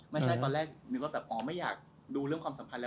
ไม่ใช่ตอนแรกนึกว่าแบบอ๋อไม่อยากดูเรื่องความสัมพันธ์แล้ว